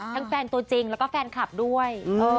แฟนตัวจริงแล้วก็แฟนคลับด้วย